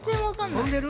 とんでる？